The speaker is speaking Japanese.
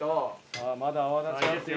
さあまだ泡立ちますよ。